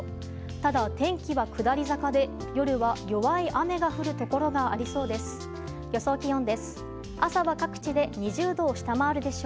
ただ、天気は下り坂で夜は弱い雨が降るところがありそうです。